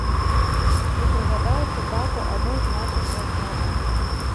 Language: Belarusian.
І прыгадаў цытату адной з нашых размоваў.